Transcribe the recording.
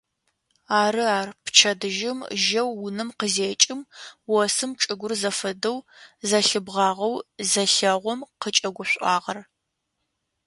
Ары ар пчэдыжьым жьэу унэм къызекӏым осым чӏыгур зэфэдэу зэлъибгъагъэу зелъэгъум зыкӏэгушӏуагъэр.